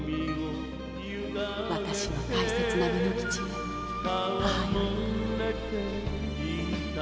「私の大切な巳之吉へ母より」